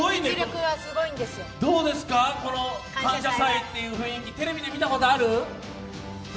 どうですか、この感謝祭っていう雰囲気、テレビで見たことある？